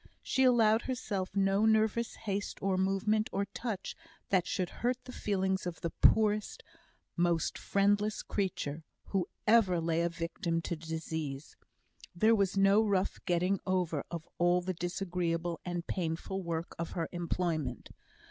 She allowed herself no nervous haste of movement or touch that should hurt the feelings of the poorest, most friendless creature, who ever lay a victim to disease. There was no rough getting over of all the disagreeable and painful work of her employment.